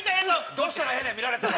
どうしたらええねん見られても。